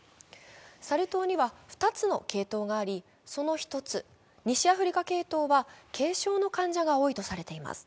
サル痘には２つの系統があり、その１つ、西アフリカ系統は軽症の患者が多いとされています。